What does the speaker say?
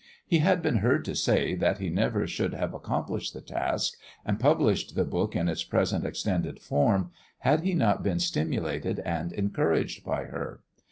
He had been heard to say that he never should have accomplished the task, and published the book in its present extended form, had he not been stimulated and encouraged by her.